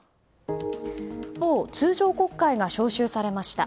今日、通常国会が召集されました。